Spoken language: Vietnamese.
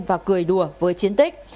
và cười đùa với chiến tích